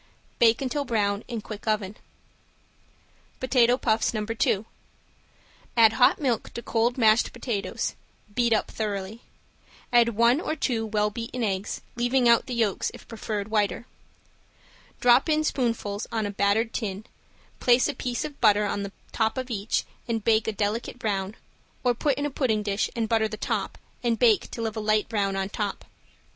Bake until brown in quick oven. ~POTATO PUFFS~ ~No. 2~ Add hot milk to cold mashed potato beat up thoroughly. Add one or two well beaten eggs, leaving out the yolks if preferred whiter. Drop in spoonfuls on a buttered tin, place a piece of butter on the top of each and bake a delicate brown or put in a pudding dish and butter the top and bake till of a light brown on top.